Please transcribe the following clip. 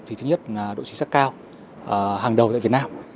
thì thứ nhất là độ chính xác cao hàng đầu tại việt nam